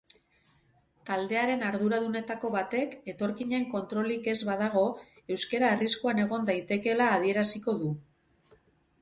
Taldearen arduradunetako batek etorkinen kontrolik ez badago euskera arriskuan egon daitekeela adieraziko du.